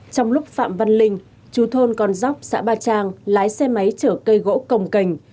trong lúc phạm văn linh chú thôn con dốc xã ba trang lái xe máy chở cây gỗ cồng cành